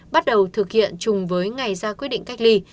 bắt đầu thực hiện chung với ngày ra quyết định cách ly